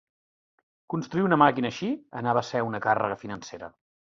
Construir una màquina així anava a ser una càrrega financera.